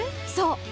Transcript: そう！